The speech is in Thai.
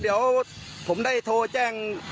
เดี๋ยวผมได้โทรแจ้ง